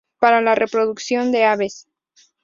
Para la reproducción de aves.